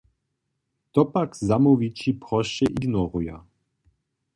To pak zamołwići prosće ignoruja.